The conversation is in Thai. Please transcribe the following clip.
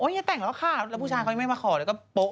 โอ๊ยอย่าแต่งแล้วข้าวแล้วผู้ชายเขาไม่มาขอเลยก็โป๊ะ